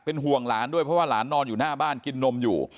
ห่วงหลานด้วยเพราะว่าหลานนอนอยู่หน้าบ้านกินนมอยู่